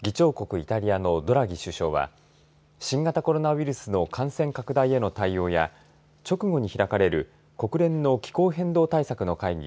イタリアのドラギ首相は新型コロナウイルスの感染拡大への対応や直後に開かれる国連の気候変動対策の会議